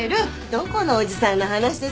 どこのおじさんの話ですか？